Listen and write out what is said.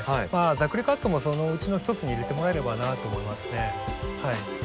ざっくりカットもそのうちの一つに入れてもらえればなと思いますね。